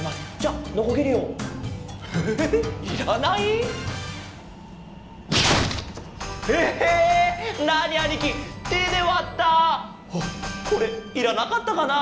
あっこれいらなかったかな？